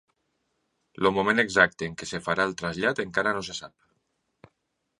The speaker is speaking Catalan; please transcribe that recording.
El moment exacte en què es farà el trasllat encara no se sap.